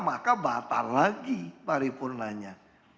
maka batal lagi paripurnanya